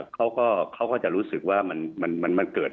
เขาก็จะรู้สึกว่ามันเกิด